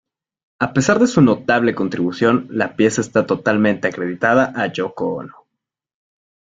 A pesar de su notable contribución, la pieza está totalmente acreditada a Yoko Ono.